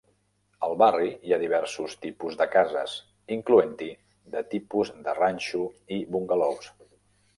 Al barri hi ha diversos tipus de cases, incloent-hi de tipus de ranxo i bungalous.